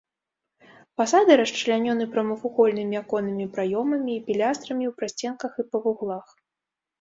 Фасады расчлянёны прамавугольнымі аконнымі праёмамі і пілястрамі ў прасценках і па вуглах.